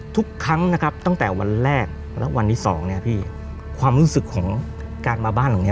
ทุกครั้งนะครับตั้งแต่วันแรกและวันที่สองเนี่ยพี่ความรู้สึกของการมาบ้านตรงนี้